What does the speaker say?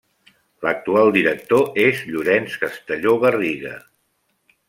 L’actual director és Llorenç Castelló Garriga.